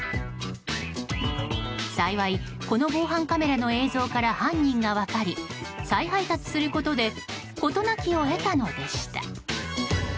幸い、この防犯カメラの映像から犯人が分かり再配達することで事なきを得たのでした。